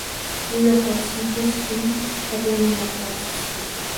Bu yoʻqotishni hech kim qoplamayapti, afsuski.